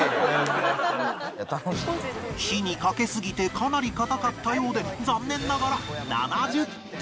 火にかけすぎてかなり硬かったようで残念ながら７０点